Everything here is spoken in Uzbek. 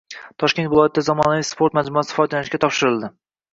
Toshkent viloyatida zamonaviy sport majmuasi foydalanishga topshirildi